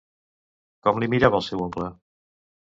Com li mirava el seu oncle?